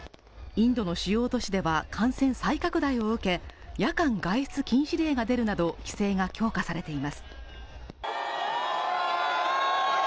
インドの主要都市では感染再拡大を受け、夜間外出禁止令が出るなど規制が強化されています。